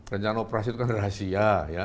rencana operasi itu kan rahasia ya